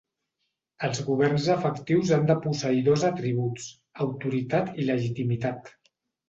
Els governs efectius han de posseir dos atributs: autoritat i legitimitat.